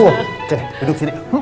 oke duduk sini